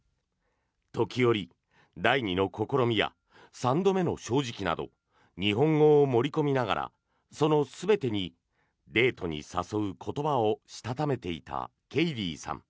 時折、「第２の試み」や「三度目の正直」など日本語を盛り込みながらその全てにデートに誘う言葉をしたためていたケイリーさん。